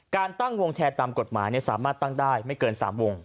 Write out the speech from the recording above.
การตั้งวงแชร์ตามกฎหมายสามารถตั้งได้ไม่เกิน๓วง